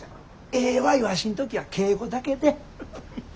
ええわいワシん時は敬語だけで。